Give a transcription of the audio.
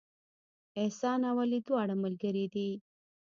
احسان او علي دواړه ملګري دي